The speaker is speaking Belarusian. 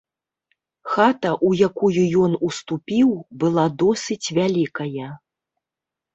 Хата, у якую ён уступіў, была досыць вялікая.